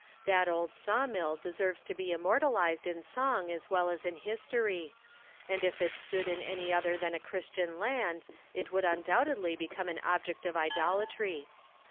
That old saw mill deserves to be immortalized in song as well as in history; and if it stood in any other than a christian land, it would undoubtedly become an object of idolatry.